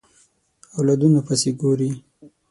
اولادونو پسې ګوري